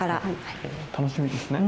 楽しみですね。